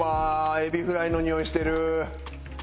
エビフライのにおいしてる！